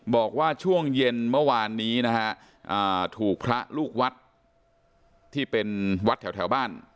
บอกว่าช่วงเย็นเมื่อวานนี้นะฮะถูกพระลูกวัดที่เป็นวัดแถวบ้าน